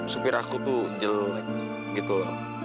supir aku tuh jelek gitu loh